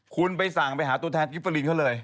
คุณไปสั่งไปหาตัวแทนกิฟเฟอร์ลินเขาเลย